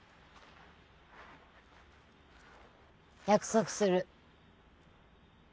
約束する。